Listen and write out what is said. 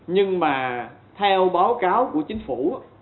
nhưng mà theo báo cáo của chính phủ